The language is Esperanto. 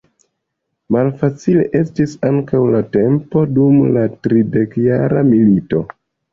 Malfacile estis ankaŭ la tempo dum la Tridekjara milito.